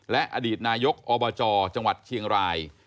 และอดีตนายกอบจจังหวัดเชียงราย